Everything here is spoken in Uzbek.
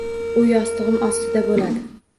U yostig`im ostida bo`ladi